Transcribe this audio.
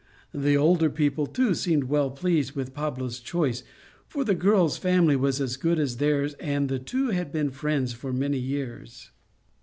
The older people, too, seemed well pleased with Pablo's choice, for the girl's family was as good as theirs, and the two had been friends for many years.